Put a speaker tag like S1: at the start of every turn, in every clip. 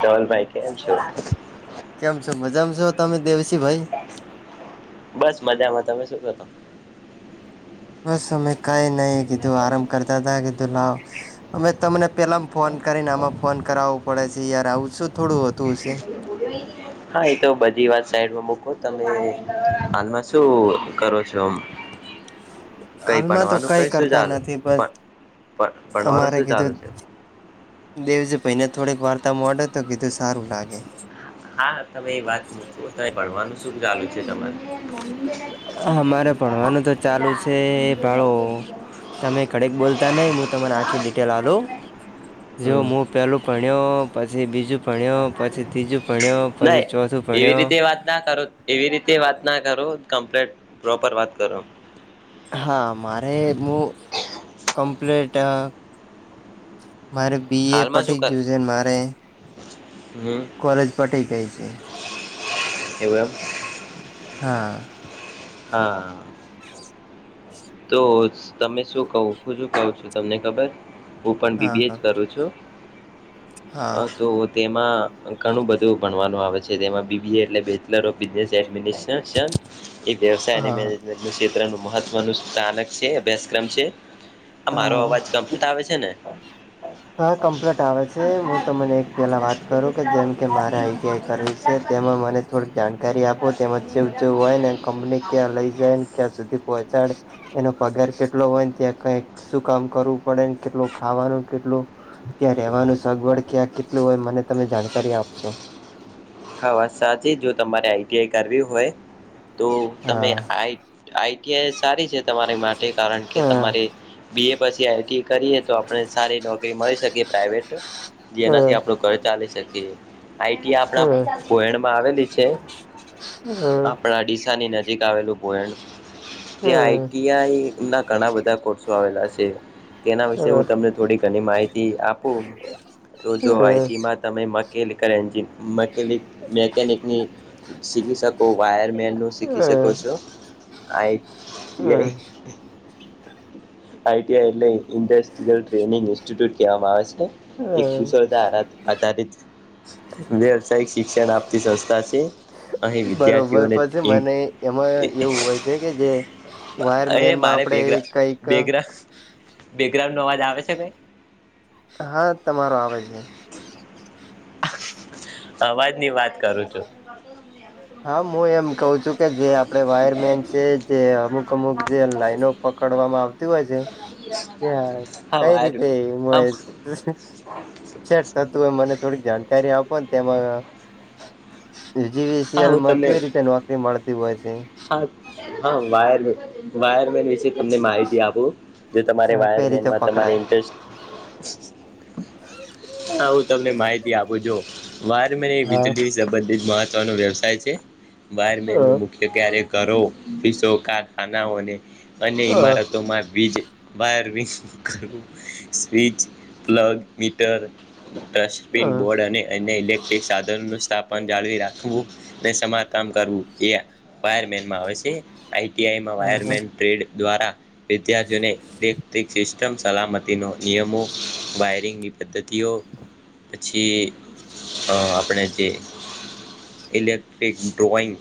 S1: ધવલભાઈ કેમ છો
S2: કેમ છો મજામાં છો તમે દેવ
S1: બસ મજામાં તમે શું કરો?
S2: બસ અમે કઈ નહી કીધું આરામ કરતા હતા કીધું લાવ, અમે તમને પેલામ ફોન કરીને આમાં ફોન કરાવવો પડે છે યાર આવુંશું થોડું હત.
S1: હા એતો બધ સાઈમાં મકો તમે હાલમાં શું કરો છો? કઈ
S2: હાલમાં તો
S1: ભણવાનું
S2: કઈ
S1: શું
S2: કરતા
S1: ચાલુ
S2: નથી બસ
S1: પણ ભણવાનું
S2: અરે
S1: શું
S2: કીધ
S1: ચાલુ છે
S2: દેવજી ભાઈને થોડીક વાર્તા મોડે તો કીધું સારું લાગે.
S1: હા તમે એ વાત મૂક ભણવાનું શું ચાલુ છે તમારે?
S2: મારે પણવાનું તો ચાલુ છે ભાડો તમે કડક બોલતા નહી હું તરી આખી ડિટેલ હલુ. જો
S1: હમ
S2: હું પેલું ભણ્યો પછી બીજું ભણ્યો પછી ત્રીજું ભણ્યો પછી
S1: નાહી
S2: ચોથું
S1: એવી
S2: ભણ્યો
S1: રીતે વાત ના કરો એવી રીતે વાત ના કરો કમ્પ્લેટ પ્રોપર વાત કરો.
S2: હા મારે હું કમ્પ્લીટ મારે બી એ
S1: હાલમાં શું
S2: પટી
S1: કર
S2: ગયું છે મારે
S1: હમ
S2: કોલેજ પટી ગઈ છે,
S1: એવું એમ
S2: હા.
S1: હા. તો તમે શું કવ હુંજું કવું છું તમને ખબર. હું પણ બી
S2: હા
S1: બી એ
S2: હા
S1: જ કરું છું.
S2: હા
S1: અ તો તેમાં ઘણું બધું ભણવાનું આવે છે તેમાં બી બીટલે બેચલર ઓફ બ વ્યવસાય અને મ
S2: હા
S1: મેનેજન્ટનું ક્ષેત્રનું મહત્વનું ાનક છે અભ્યાસક્રમ છે, આ મારો
S2: હા
S1: અવાજ કમપ્લીટ આવે છે ને?
S2: હા કમ્પ્લીટ આવે છે હું તમને એક પેલા વાત કરું કે જેમ કે મારે આઈ ટી આઈ કરવી છે તેમાં મને થોડીક જાણકારી આપો તેજ જેવું જેવું હોય ને કંપની ક્યાં લઇ જાય ને ક્યાં સુધી પહોંચાડે. એનો પગાર કેટલો હોય ને ત્યાં કઈ શું કામ કરવું પડે કેટલું ખાવાનું કેટલું ત્યાં રહેવાનું સગવડ ક્યાં કેટલું હોય મને તમે જાણકારી આપશો.
S1: હા વા સાચી જો તમારે આઈ ટી આઈ કરવી હોય. તો તમે
S2: હા
S1: આ આઇ ટી એસ સારી છે તમારી માટે કારણ કે તમારે
S2: હા
S1: બી એ પછી આઈટી કરીએ તો આપણે સારી નોકરીમાં મળી શકે પ્રાઇવેટ, જેનાથી આપણું ઘર ચાલી શકીએ. આઈ ટી
S2: હ
S1: આપણા
S2: હ
S1: કોહેણમાં આવેલી છે,
S2: બરોબર પછી
S1: આપણા ડીસાની નજીક. ત્યાં આઈ આઈ ના ઘણા બધા કોશો આવેલા છે, તેના વિશે હું તમને થોડી ઘણી માહિતી આપું. તો જો આઈટીમાં તમે મકેનિકલ એન્જ મનિક મકેનિકની શીખી શકો વાયરમેનનું શીખી શકો છો. આ એક લાઈટી અઇતિયાય્ એટ ઇન્્રીયલ ટ્રેનિંગ ઇન્સ્ટિટ્યૂટ કહેવામાં આવે છે ને એક કુશળતા આધાધિત્ વવસાય શિક્ષણ આપતી સંસ્થા છે. અહીં
S2: બરોબર
S1: વિદ્યાર્થીઓને
S2: પછી
S1: ઇન
S2: મને એમાં એવું હોય છે કે જે વાયર
S1: અરે
S2: મેનમાં
S1: મારે
S2: આપડે કઈક
S1: બેકગ્રાઉન્ડ નો અવાજ આવે છે કઈ
S2: હા તમારો આવે જ છે.
S1: અવાજ ની વાત કરું છું.
S2: હા હું એમ કઉ છું કે જે આપડ વાયરમેન છે જે અમુક અમુક જે લાઈનો પકડવામાં આવતી હોય છે કે
S1: હા
S2: કઈ
S1: વાયર
S2: રીતે
S1: હા
S2: સેઠ થ તું હો મને થોડીક જાણકારી આપોને તેમાં
S1: હા હું
S2: જીવીસીએલમાં
S1: તમને
S2: કેવી રીતે નોકરી મળતી હોય છે
S1: હા હા વાયર મે વાયર મે વિશ તમને માહિતી આપું જો તમારે
S2: કઈ રીતે
S1: વાયરમેનમાં તમા
S2: પકડાય
S1: ઇન્ટરેસ્ટ [inaudible] હા હું તમને માહિતી આપું જો વાયેરમને એ
S2: હા
S1: વીજળી શે સંબંધી જ મહવ વ્યવસાય છે. વયમેન્યે મુખ્ય ક્યારે કરોતી શોવકાર ખાનાઓને અને્ય
S2: હા
S1: ઇમારતોમાં બીજ વાયર બીજ કરું સ્વિચ પ્લગ મીટર
S2: હા
S1: ડસ્ટબિન
S2: હા
S1: બોર્ડ અને અન્ય ઇલેક્ટ્રિક સાધનોનું સ્થાપન જાળવી રાખે હુ સમાજ કામ કરવું એ વાયમેનમાં આવે છે આઈઆઈમાં વાયર
S2: હા
S1: મેન ટ્રેડ દ્વારા વિદ્યાર્થીઓને ઇલેક્ટ્રિક સિસ્ટમ સલામતીનો નિયમો વાયરિંગની પદ્ધતિ તિઓ પછ અ આપણે જે ઇલેક્ટ્રિક ડ્રોઈંગ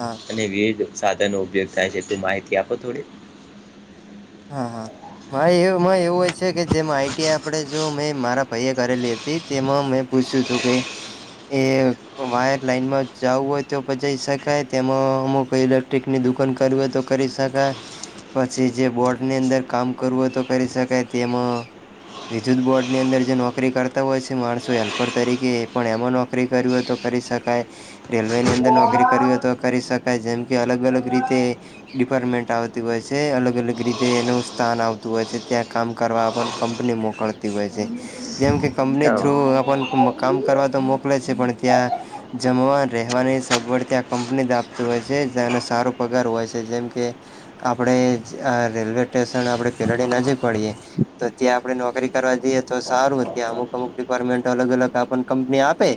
S2: હા
S1: અને વેજ સાધનો ઉપયોગ થાય છે તે માહિતી આપો થોડી
S2: હા હા મારે એમાં એવું હોય છે કે જેમાં આઈટી આપણે જો મેં મારા પાઈએ કરેલી હતી તેમાં મેં પૂછ્યું હતું કે એ વાયર લાઈન માં જવું હોય તો પચી શકાય તેમાં અમુ કોઈ ઇલેક્ટ્રિક ની દુખ કર તો કરી શકાય પછી જે બોર્ડ ની અંદર કામ કરવું તો કરી શકાય તેમા વિદ્યુત બોર્ડ ની અંદર જે નોકરી કરતા હોય છે માણસો હેલ્પર તરીકે એ પણ એમાં નોકરી કર્યું હતો કરી શકાય રેલવે ની અંદર નોકરી કરીવી હો તો કરી શકાય જેમ કે અલગ અલગ રીતે ડિપાર્ટમેન્ટ આવતી હોય છે અલગ અલગ રીત જે એનું સ્થાન આવતું હોય છે ત્યાં કામ કરવા પણ કંપની મોકલતી હોય છે. જેમ કે કંપની થ્રુ પણ કામ કરવા તો મોકલે છે પણ ત્યાં જમવા રહેવાની સગવડ ત્યાં કંપની જ આપતું હોય. જેનો સારો પગાર હોય છે જેમ કે આપણે રેલવે સ્ટેશન આપડે પેલાડી ન જ પડીએે તો ત્યાં આપડે નોકરી કરવા જઈએ તો સારું ત્યા અમુક અમુક ડિપાર્ટમેન્ટ અલગ અલગ આપ કંપની આપે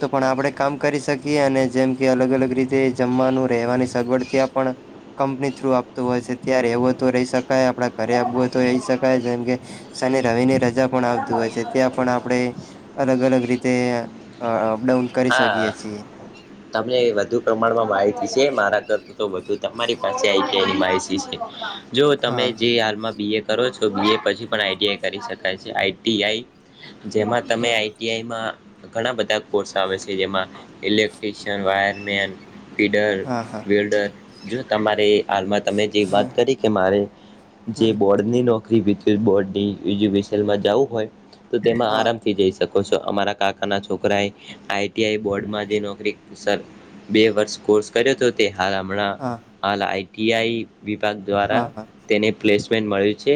S2: તો પણ આપડે કામ કરી શકીએ અને જેમ કે અલગ અ અલગ રીતે જમવાનું રહેવાની સગવડ ત્યાં પણ કંપની થ્રુ આપતું હોય છે ત્યાંવ રહી સકાય આપડા ઘરે આબુ હો તો રહી શકાય જેમકે શને રવિ ને રજા પણ આવતીું હોય છે ત પણ આપણે અલગ અલગ રીતે અપડાઉન કરી શકીએ
S1: હા
S2: છીએ.
S1: તમને વધુ પ્રમાણમાં માહિતી છે મારા કર તો વધુ તમારી પાસે આવી એની માહિતી છે. જો તમે
S2: હા
S1: જે હાલમાં બી એ કરો છો. તો બી એ પછી પણ આઈટીઆઈ કરી શકાય છે આઈટીઆઈ જેમાં તમે
S2: હા
S1: આઈટીઆઈમાં ઘણા બધા કોર્સ આવે છે જેમાં ઇલેક્ટ્રશયન વાયરમેન
S2: હા હા
S1: પડરડર જો તમારે હાલમાં તમે જે વાત
S2: હમ
S1: કરી કે મારે જે
S2: હમ
S1: બોર્ડ ની નોકરી બીધી બોડની ઈજ્યુકેશન માં જવું હોય તો તેમાં
S2: હા
S1: આરામથી જઈ શક કો શો અમારા કાકા ના છોકરાએ આઈ એક સર બે વર્ષ કોર્સ કર્યો તો તે હાલ હમણાં
S2: હા
S1: હાલ આઈટીઆઈ વિભાગ દ્વારા
S2: હા હા
S1: તેને પ્લેસ મેન્ટ મળી છે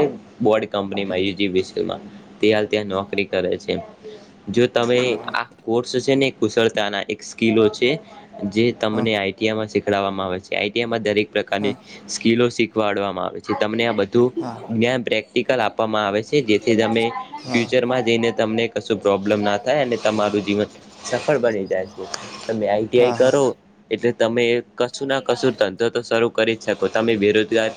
S1: બોડ
S2: હા
S1: કંનીમાંજીમાં [unintelligible] તે હાલ ત્યાં નોકરી કરે છે. જો તમે
S2: હા
S1: આ કોર્સ છે ને કુશળતાના એક સ્કીલો છે. જે
S2: હા
S1: તમને આઈટીઆમાં શીખડવામાં આવે છે આઈટીઆમાં દરેક પ્રકારની
S2: હા
S1: સ્કીલો શી વાડવામાં આવે છે તમને આ બધું
S2: હા
S1: જ્ઞાન પ્રેક્ટિકલ આપવામાં આવે છે જેથ થી એ તમે ફ્યુચર માં જઈને તમને કશું પ્રોબ્લેમ ના થાય અને તમારું જીવન સફળ બની જાય. તમે આઈટીઆઈ
S2: હા હા
S1: કરો એટલે તમે કશું ના કશું ધંધો તો શરૂ કરી જ શકો તમે બેરોજગાર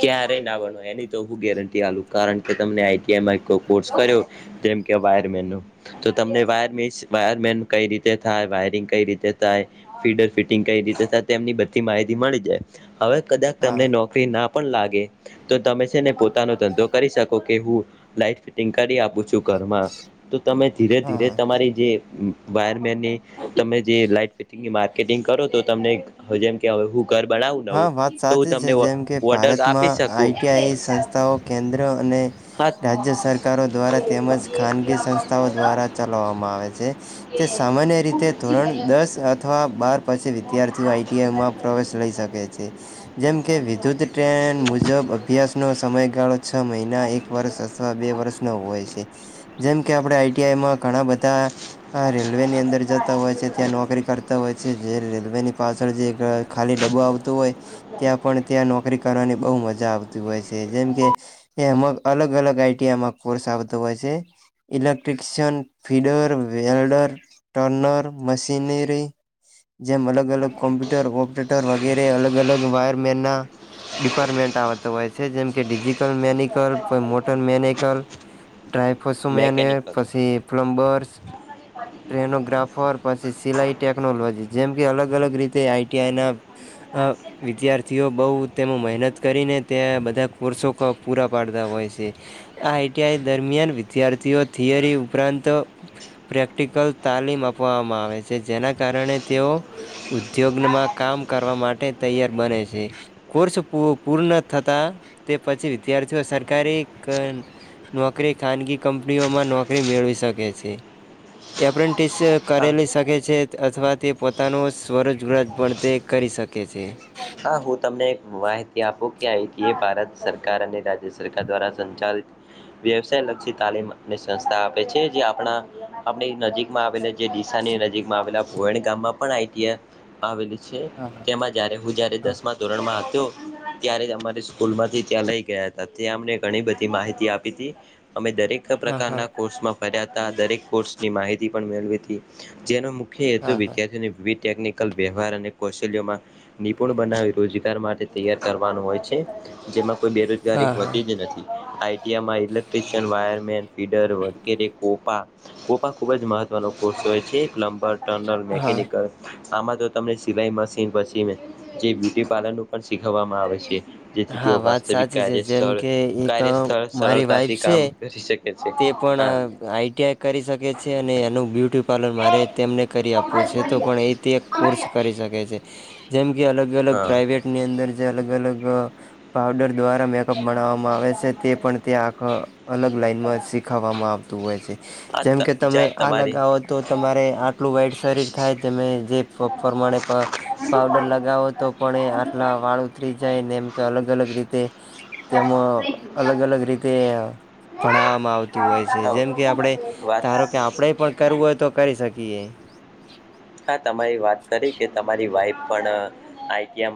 S1: ક્યારેય ના ભણો એમ. તો હું ગેરંટી આલુ કારણ કે તમેને આઈ ટી આઇ માં કોર્સ કર્યો તો એમ કે વાયરમેનનો. તો તમને વાયર મિસ વાયર મેન કઈ રીતે થાય વાય રરિંગ કઈ રીતે થાય ફીડરફિટિંગ કઈ રીતે થાય તેમની બધી માહિતી મળી જાય. હવે કદાચ
S2: હા
S1: તમને નોકરી ના પણ લાગે તો તમે છે ને પોતાનો ધંધો કરી શકો કે હું લાઈટ ફિટિંગ કરી આપું છું. ઘરમાં તો તમે ધીરે ધીરે
S2: હા
S1: તમારી જે વાયરમેનની તમે જે લાઈટ ફિટિંગની માર્કેટિંગ કરો તો તમને જેમ કેવું
S2: હા વાત સાચી છે જેમ કે
S1: ઓર્ડર આપી
S2: ભારતમાં
S1: શકું
S2: આઈટીઆઈ સંસ્થાઓ કેન્દ્ર અને
S1: હા
S2: રાજ્ય સરકારો દ્વારા તેમજ ખાનગી સંસ્થાઓ દ્વારા ચલાવવામાં આવે છે તે સામાન્ય એ રીતે ધોરણ દસ અથવા બાર પછી વિદ્યાર્થીઓ આઈટીઆઈમાં પ્રવેશ લઈ શ કે છે જેમ કે વિદ્યુત ટ્રેન મુજબ અભ્યાસનો સમયગાળો છ મહિના એક વર્ષ અથવા બે વર્ષ નો હોય છે જેમ કે આપડે આઈઆઈમાં ઘણા બધા રેલ વે ની અંદર જતા હોય છે ત્યાં નોકરી કરતા હોય છે જે રેલવેની પાછળ જે ખાલી ડબ્બો આવ તો હોય ત્યાં પણ ત્યાં નોકરી કરવાની બહુ મજા આવતી હોય છે જેમકે એમ અલગ અલગ આઈટીઆમાં કોર્સ આવતો હોય છે ઇલેક્ટ્રશિયન ફીડર વેડ ર, ટર્નર, મશીનરી.
S1: [inaudible]
S2: જેમ અલગ અલગ કોમ્પ્યુટર ઓપરેટર વગેરે અલગ અલગ વાયરમેન ના ડિપાર્ટમેન્ટ આવતો હોય છે જેમ કે ડિજટલ મેનિકલ કો મોટર મેનિકલ ડ્રાયફોસમેને
S1: મેકેનિકલ
S2: પછી પ્લમ્બર્સ. ટ્રેનોગ્રાફર પછી સિલાઈ ટેક્નોલોજી જેમ કે અલગ અલગ રીતે આઈટીઆઈના અ વિદ્યાર્થીઓ બૌ તેમાં મહેનત કરીને ત્યાં બ ધા કોર્સો પૂરા પાડતા હોય છે આ આઈટીઆઈ દરમિયાન વિદ્યાર્થીઓ થિયરી ઉપર રાંત પ્રેક્ટિકલ તાલીમ આપવામાં આવે છે જેના કારણે તેઓ ઉદ્યોગમાં કામ કરવા માટે તૈયાર બને છે કોર્સ પૂર્ણ થતા તે પછી વિદ્યાર્થીઓ સરકારી ક નોકરી ખાનગી કંપનીઓમાં નોકરી મેળવી શકે છે. એપ્રેન્ટિસ
S1: હા
S2: કરેલી શકે છે અથવા તે પોતાનો સ્વરોજગરાજ પણ તે કરી શકે છે.
S1: હા હું તમને એક માહિતી આપું કે આ ભારત સરકાર અને રાજ્ય સરકાર દ્વારા સંચાલ વ્યવસાય લક્ષી તાલીમ ને સંસ્થા આપે છે જે આપણા આપણી નજીકમાં આવે લ જે ડીસા ને નજીકમાં આવેલા ભુગાનીતા માં પણ આવેલા છે
S2: હા
S1: તેમાં જ્યારે હું જ્યારે દસમા ધોરણમાં તો ત્યારે અમારી સ્કૂલમાંથી ત્યાં લઈ ગયા હતા ત્યાં અમને ઘણી બધી માહિતી આપી તી. અમે દરેક
S2: હા હા.
S1: પ્રકારના કોર્સમાં ફર્યા હતા દરેક કોર્સની માહિતી પણ મેળવી હતી જેનો મુ હેતુ
S2: હા હા હા
S1: વિદ્યાર્થીઓ વિવિધ ટેકનિકલ વ્યવહાર અને કૌશલ્યોમાં નિપુણ બનાવી રોજગાર માટે તૈયાર કરવાનું હોય છે. જેમાં કોઈ બેરોજગારી
S2: હા હા
S1: હોતી બી નથી આઈટીઆમાં ઇલેક્ટ્રિશિયન વાયરમેન ફીડર વગેરે કોપા કોપા ખુબ જ મહત્વનો કોષ હોય છે બ ટર્નલ
S2: હા હા
S1: મેકેનિકલ આમાં તો તમને સિલાઈ મશીન પછી મે જે બ્યુટી પાર્લર નું પણ શીખવામાં આવે છે જેથી
S2: હા
S1: તેઓ
S2: વાત
S1: વાસ્તવિક
S2: સાચી છે
S1: કાર્ય
S2: જેમ
S1: સ્થળ
S2: કે એક
S1: કાર્ય સ્થળ
S2: મારી
S1: સરળતાથી
S2: વાઈફ છે
S1: કામ કરી શકે છે
S2: તે
S1: હા
S2: પણ આઈટીઆઈ કરી શકે છે અને એનું બ્યુટી પાર્લર મારે તેમને કરી આપવું છે છે તો પણ એ તે એક કોર્સ કરી શકે છે જેમ કે અલગ અલગ
S1: હા
S2: પ્રાઇવેટ ની અંદર જે અલગ અલગ પાવડર દ્વારા મેકઅપ બનાવવામાં આવે છે તે પણ તેયા આખા અલગ લાઈનમાં ખાવામાં આવતું હોય છે
S1: આ
S2: જેમકે તમે
S1: જાત
S2: આ
S1: તમારી
S2: લગાવો તો તમારે આટલું વાઈટ શરીર થાય તમે જે પ્રમાણે પાવડર લગાવો તો પણ એ આટલા વાળ ઉતરી જાય ને કે અલગ અલગ રીતે તેમમાં અલગ અલગ રીતે ભણવા આવતું હોય છે જેમ કે આપણે
S1: વાત
S2: ધારો કે આપણે પણ કરવું હોય તો કરી શકીએ
S1: હા તમારી વાત કરી કે [unintelligible] તમારી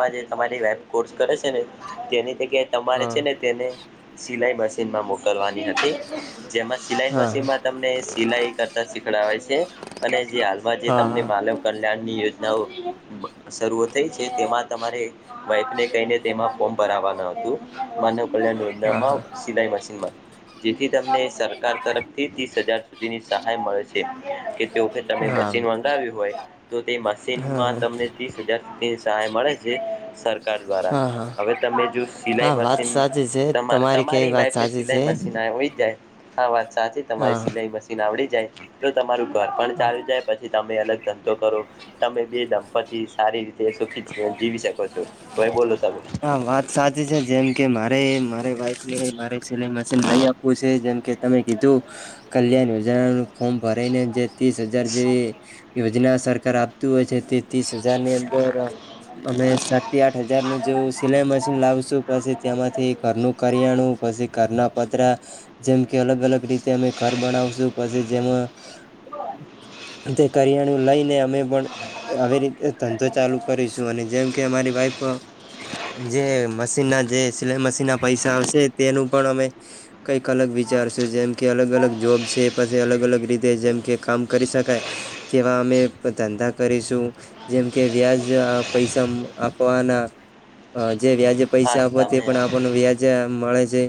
S1: વાહીફ કોસં કરે છેને તેની એટલે કે તમારે
S2: હા
S1: છે ને તેને સિલાઈ મશીનમાં મોકલવાની હતી જેમાં સિલાઈ
S2: હા
S1: મશીન તમ સિલાઈ કરતા શીખડાવે છે અને જે હાલમાં જે તમને
S2: હા
S1: માનવ કલ્યાણની યોજ નાવો શરૂઆ થઈ છે તેમાં તમારે વાઈફને કહીને તેમાં ફોર્મ ભરાવાનો હતો માનવ કલ્યાણ
S2: હા
S1: યોજના
S2: હા
S1: સિલાઈ મશીનમાં જેથી તમને સરકાર તરફ ત્રીસ હજાર સુધીની સહાય મળે છે કે તે વખતે તમે
S2: હા
S1: મશીન મંગાવ્યું હોય તો તે મશીનમાં
S2: હા
S1: તમને ત્રીસ હજાર સુધી સહાય મળે છે સરકાર દ્વારા
S2: હા
S1: હવે તમે જો સિલાઈ
S2: હા વાત
S1: મશીન
S2: સાચી છે
S1: તમારી
S2: કેવી વાત
S1: વાઈફ
S2: સાચી
S1: સિલાઈ
S2: છે
S1: મશીન આવડી જાય હા વાત સાચી તમારે
S2: હા
S1: સિલાઈ મશીન આવડી જાય તો તમારું ઘર પણ ચાલુ જાય પછી તમે અલગ ધંધો કરો તમે જે દંપતિ સારી રીતે સુખી જીવી શકો છો કોઈ બોલો તમે
S2: હા વાત સાચી છે જેમ કે મારે વાઈફને મારે સિલાઈ મશીન લઈ આપવું છે જેમ કે તમે કીધું કલ્યાણ યોજના ફોમ ભરાને જે ત્રીસ હજાર જેવી યોજના સરકાર આપતું હોય છે તે ત્રીસ હજાર ની અંદર અમે સાત થી આઠ હજાર નું જો સિલાઈ મશીન લાવશું પછી તેમાંથી ઘરનું કરિયાણું પછી ઘરના પતરા જેમ કે અલગ અલગ રીતે અમે ઘર બનાવશુ પછી જેમાં
S1: [inaudible]
S2: તે કરિયાણું લઈને અમે પણ આવી રીતે ધંધો ચાલુ કરીશું અને જેમ કે અમારી વાઈફ જે મશીન ના જે સિલાઈ મશીન ના પૈસા આવશે તેનું પણ અમે કઈક અલગ વિચારશું જેમ કે અલગ અલગ જોબ છે પછી અલગ અલગ રીતે જેમ કે કામ કરી શકાય તેવા અમે ધંધા કરીશું જેમ કે વ્યાજ પૈસા આપવાના જે વ્યાજે
S1: હા
S2: પૈસા આપો તે
S1: તમે
S2: પણ આપણને વ્યાજે મળે છે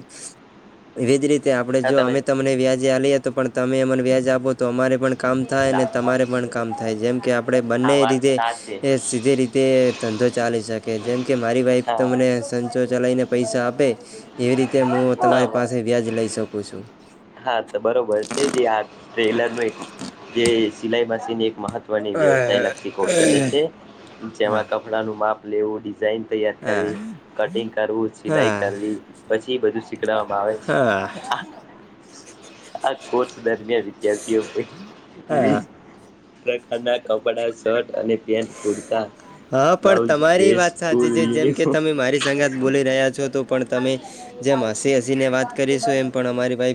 S2: એવીજ રીતે આપડે
S1: હા
S2: જો અમે
S1: તમે
S2: તમને વ્યાજે આલીએ તો પણ તમે એમને વ્યાજ આપો તો અમારે પણ કામ થાય અને તમારે પણ કામ થાય જેમ કે આપણે
S1: હા
S2: બંને
S1: વાત
S2: રીતે
S1: સાચી હા
S2: સીધી રીતે એ ધંધો ચાલી શકે જેમ કે મારી વાઈફ તમને
S1: હા,
S2: સંચો ચલાવીને પૈસા આપે એવી રીતે હું તમારી
S1: વા-
S2: પાસે વ્યાજ લઈ શકું છું
S1: હા તો બરોબર છે જે આ ટ્રેલર ન એક જે સિલાઈ મશીન એક મહત્વ વ્યવસાય લક્ષી કૌશલ્ય
S2: હા
S1: છે
S2: હા
S1: જેમાં
S2: હા
S1: કપડા નું માપ લેવું ડિઝઇન તૈયાર કરવી કટિંગ કરવું સિલાઈ
S2: હા
S1: કરવી પછી બધું શીખડવામાં આવે છે
S2: હા
S1: આ કોર્સ દરમિયાન વિદ્યાર્થીઓ વિવિધ પ્રકારના કપડા શર્ટ અને પેન્ટ, કુર્તા
S2: હા પણ
S1: બ્લાઉઝ
S2: તમારી
S1: ડ્રેસ
S2: વાત સાચી
S1: સ્કૂલ
S2: છે જેમ કે
S1: યુનિફોર્મ
S2: તમે મારી સંગાત બોલી રહ્યા છો તો પણ તમે જેમ હસી હસી ને વાત કરીશું એમ પણ અમારી વાઈફ